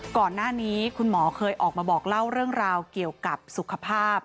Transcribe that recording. ก่อนหน้านี้คุณหมอเคยออกมาบอกเล่าเรื่องราวเกี่ยวกับสุขภาพ